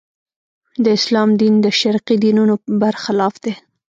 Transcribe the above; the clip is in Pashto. د اسلام دین د شرقي دینونو برخلاف دی.